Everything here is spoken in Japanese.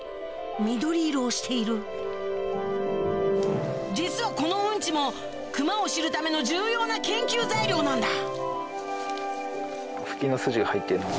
緑色をしている実はこのウンチもクマを知るための重要な研究材料なんだ